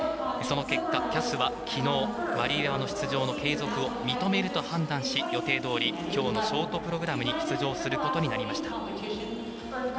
その結果、ＣＡＳはきのうワリエワの出場の継続を認めると判断し、予定どおりきょうのショートプログラムに出場することになりました。